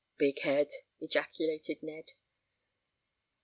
"Big head!" ejaculated Ned.